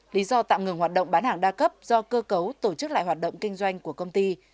lý do tạm ngừng hoạt động bán hàng đa cấp do cơ cấu tổ chức lại hoạt động kinh doanh của công ty